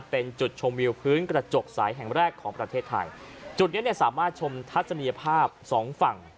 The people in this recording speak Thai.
เป็นจุดชมวิวพื้นกระจกสายแห่งแรกของประเทศไทยจุดเนี้ยเนี่ยสามารถชมทัศนียภาพสองฝั่ง